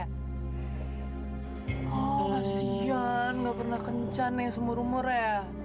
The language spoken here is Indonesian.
oh kasihan gak pernah kencan ya semua rumor ya